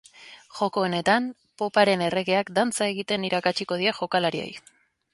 Joko honetan, poparen erregeak dantza egiten irakatsiko die jokalariei.